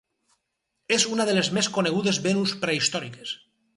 És una de les més conegudes Venus prehistòriques.